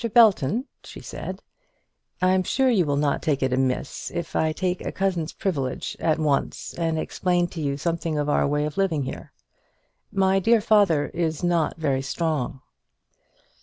Belton," she said, "I'm sure you will not take it amiss if I take a cousin's privilege at once and explain to you something of our way of living here. My dear father is not very strong."